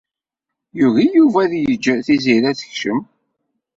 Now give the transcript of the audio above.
Yugi Yuba ad yeǧǧ Tiziri ad tekcem.